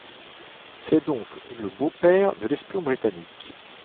C'est donc le beau-père de l'espion britannique.